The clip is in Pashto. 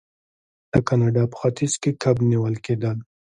د کاناډا په ختیځ کې کب نیول کیدل.